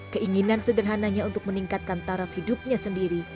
keinginan sederhananya untuk meningkatkan taraf hidupnya sendiri